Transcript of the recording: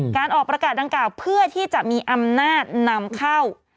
การออกประกาศดังกล่าวเพื่อที่จะมีอำนาจนำเข้า